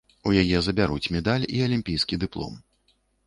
У яе забяруць медаль і алімпійскі дыплом.